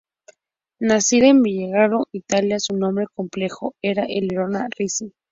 Nacida en Viareggio, Italia, su nombre completo era Eleonora Ricci.